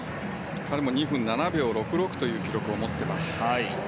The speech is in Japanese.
彼も２分７秒６６という記録を持っています。